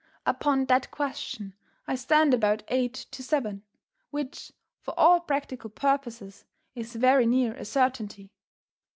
Upon that question I stand about eight to seven, which, for all practical purposes, is very near a certainty.